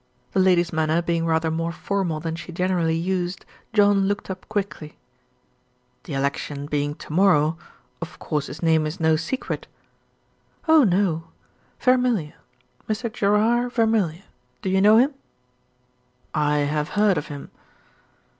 The lady's manner being rather more formal than she generally used, John looked up quickly. "The election being to morrow, of course his name is no secret?" "Oh, no! Vermilye. Mr. Gerard Vermilye. Do you know him?" "I have heard of him."